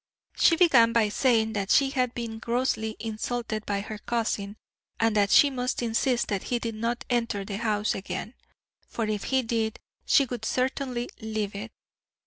She began by saying that she had been grossly insulted by her cousin, and that she must insist that he did not enter the house again, for if he did she would certainly leave it.